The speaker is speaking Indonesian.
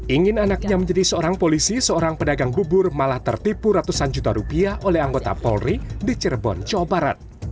ingin anaknya menjadi seorang polisi seorang pedagang bubur malah tertipu ratusan juta rupiah oleh anggota polri di cirebon jawa barat